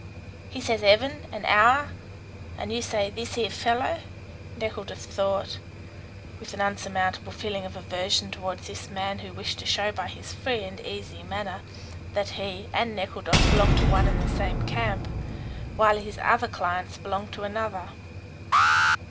"He says ''eaven' and 'hour,' and you say 'this here fellow,'" Nekhludoff thought, with an insurmountable feeling of aversion towards this man who wished to show by his free and easy manner that he and Nekhludoff belonged to one and the same camp, while his other clients belonged to another.